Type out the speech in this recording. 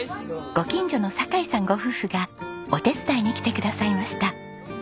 ご近所の坂井さんご夫婦がお手伝いに来てくださいました。